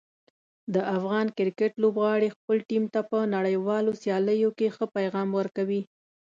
د افغان کرکټ لوبغاړي خپل ټیم ته په نړیوالو سیالیو کې ښه پیغام ورکوي.